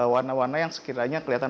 warna warna yang sekiranya kelihatan